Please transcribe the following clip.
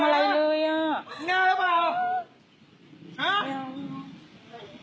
มึงด่ากูทำไม